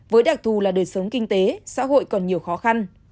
với đặc thù là đời sống kinh tế xã hội còn nhiều khó khăn